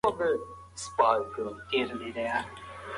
هر څوک چې ستونزه لري، فکر یې د حل لارې ته مشغول وي.